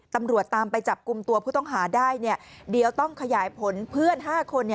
ตำรวจตามไปจับกลุ่มตัวผู้ต้องหาได้เดี๋ยวต้องขยายผลเพื่อน๕คน